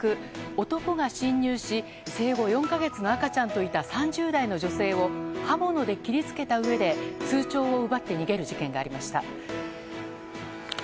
男が侵入し生後４か月の赤ちゃんといた３０代の女性を刃物で切りつけたうえで通帳を奪って逃げる事件がありました。